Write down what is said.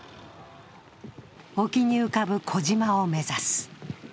沖に浮かぶ小島を目指す。